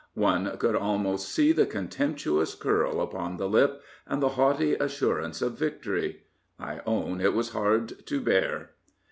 One could almost see the contemptuous curl upon the lip, the haughty assurance of victory, I own it was hard to bear.